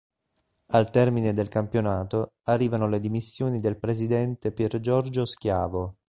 Al termine del campionato arrivano le dimissioni del presidente Piergiorgio Schiavo.